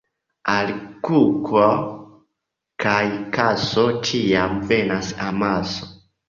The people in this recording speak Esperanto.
Al kuko kaj kaso ĉiam venas amaso.